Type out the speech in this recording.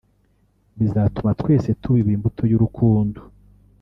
bizatuma twese tubiba imbuto y’urukundo